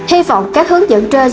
hy vọng các hướng dẫn trên